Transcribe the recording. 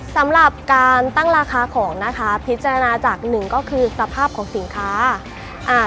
สำหรับการตั้งราคาของนะคะพิจารณาจากหนึ่งก็คือสภาพของสินค้าอ่า